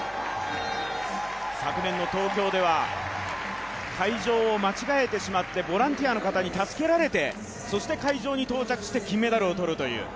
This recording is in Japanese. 昨年の東京では会場を間違えてしまってボランティアの方に助けられてそして会場に到着して金メダルを取るという。